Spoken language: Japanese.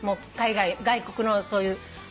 海外外国のそういう。